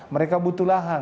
mereka butuh lahan